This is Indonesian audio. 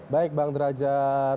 baik bang derajat libowo